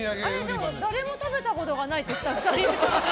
でも誰も食べたことがないってスタッフさん言ってました。